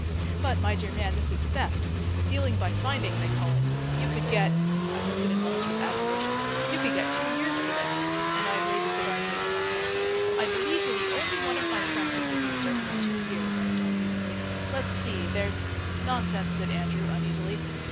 "But, my dear man, this is theft. Stealing by finding, they call it. You could get" I looked at him almost with admiration "you could get two years for this"; and I weighed the cigar case in my hand. "I believe you're the only one of my friends who could be certain of two years," I went on musingly. "Let's see, there's " "Nonsense," said Andrew uneasily.